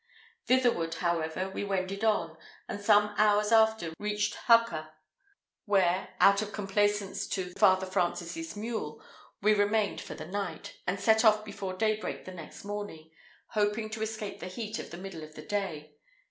Thitherward, however, we wended on, and some hours after reached Jacca, where, out of complaisance to Father Francis's mule, we remained for the night, and set off before daybreak the next morning, hoping to escape the heat of the middle of the day.